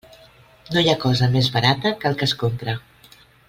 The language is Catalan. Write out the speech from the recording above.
No hi ha cosa més barata que el que es compra.